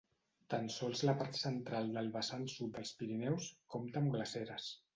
Tan sols la part central del vessant sud dels Pirineus compta amb glaceres.